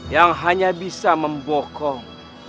yang hanya bisa membokong